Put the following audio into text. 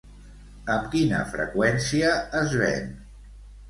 Amb quina freqüència es ven?